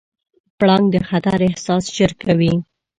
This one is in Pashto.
پړانګ د خطر احساس ژر کوي.